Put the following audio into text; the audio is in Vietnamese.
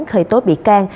khởi tố bị can